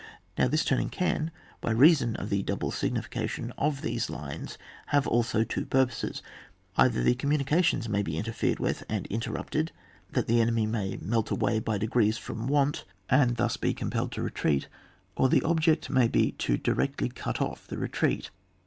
Now this turning can, by reason of the double signification of these lines, have also two purposes. Either the communi cations may be interfered with and in terrupted, that the enemy may melt away by degrees from want, and thus be com* 60 ON WAR. [boos y. polled to retreat, or the object may be directly to cut off the retreat.